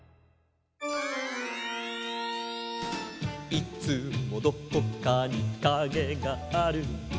「いつもどこかにカゲがある」